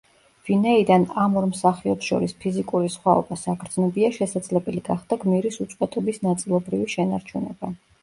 ვინაიდან ამ ორ მსახიობს შორის ფიზიკური სხვაობა საგრძნობია, შესაძლებელი გახდა გმირის უწყვეტობის ნაწილობრივი შენარჩუნება.